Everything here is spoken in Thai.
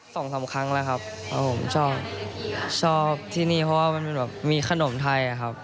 สองสามครั้งแล้วครับครับผมชอบชอบที่นี่เพราะว่ามันเป็นแบบมีขนมไทยอะครับ